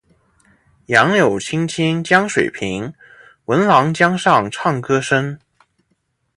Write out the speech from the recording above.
杨柳青青江水平，闻郎江上唱歌声。